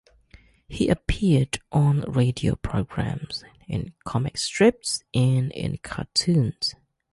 He appeared on radio programs, in comic strips, and in cartoons.